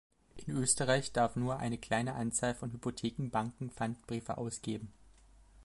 In Österreich darf nur eine kleine Anzahl von Hypothekenbanken Pfandbriefe ausgeben.